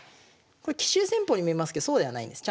これ奇襲戦法に見えますけどそうではないんです。